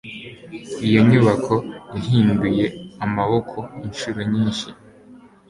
Iyo nyubako yahinduye amaboko inshuro nyinshi.